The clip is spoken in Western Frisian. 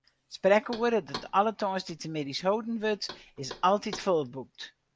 It sprekoere, dat alle tongersdeitemiddeis holden wurdt, is altyd folboekt.